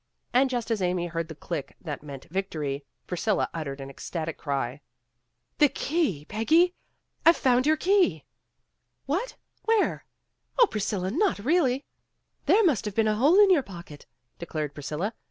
And just as Amy heard the click that meant victory, Priscilla uttered an ecstatic cry. 1 * The key, Peggy ! I 've found your key !'' "What! Where? Oh, Priscilla, not really ?"" There must have been a hole in your pocket," declared Priscilla.